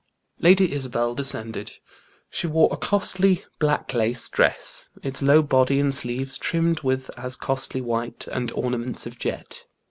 Lady Isabel descended. She wore a costly black lace dress, its low body and sleeves trimmed with as costly white; and ornaments of jet.